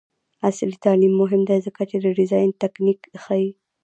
عصري تعلیم مهم دی ځکه چې د ډیزاین تنکینګ ښيي.